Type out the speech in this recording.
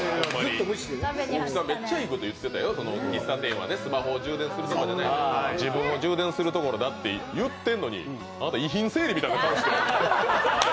めっちゃいいこと言ってたよ、喫茶店はスマホを充電するところじゃない、自分を充電するところだって言ってるのにあなた、遺品整理みたいになってましたよ。